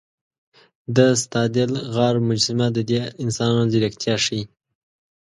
د ستادل غار مجسمه د دې انسانانو ځیرکتیا ښيي.